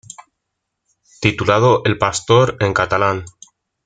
Titulado "El Pastor" en catalán.